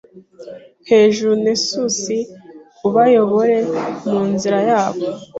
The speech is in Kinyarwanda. Hejuru Nessus ubayobore mu nzira yabo